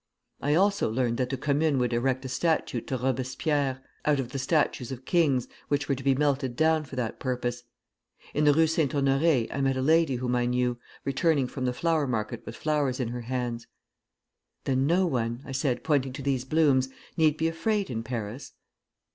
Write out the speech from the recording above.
I also learned that the Commune would erect a statue to Robespierre out of the statues of kings, which were to be melted down for that purpose. In the Rue Saint Honore I met a lady whom I knew, returning from the flower market with flowers in her hands. 'Then no one,' I said, pointing to these blossoms, 'need be afraid in Paris?'